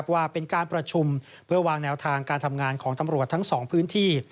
ว่าเป็นการประชุมเพื่อวางแนวทางการทำงานของตำรวจทั้งสองพื้นที่